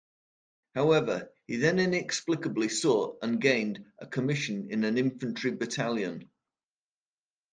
However, he then inexplicably sought and gained a commission in an infantry battalion.